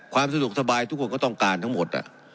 ความสะดวกสบายทุกคนก็ต้องการทั้งหมด